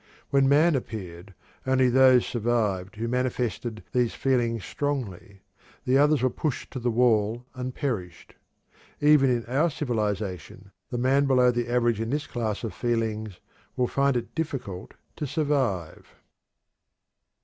When man appeared, only those survived who manifested these feelings strongly; the others were pushed to the wall and perished. Even in our civilization the man below the average in this class of feelings will find it difficult to survive.